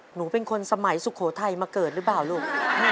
หนูเป็นคนสมัยสุโขทัยมาเกิดหรือเปล่าลูก